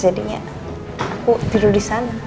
jadinya aku tidur disana